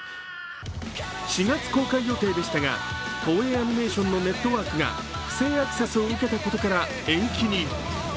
４月公開予定でしたが、東映アニメーションのネットワークが不正アクセスを受けたことから延期に。